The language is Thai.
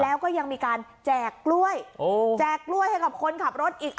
แล้วก็ยังมีการแจกกล้วยแจกกล้วยให้กับคนขับรถอีก